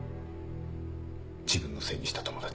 自分のせいにした友達。